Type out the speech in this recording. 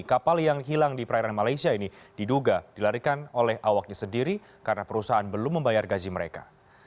kapal yang hilang di perairan malaysia ini diduga dilarikan oleh awaknya sendiri karena perusahaan belum membayar gaji mereka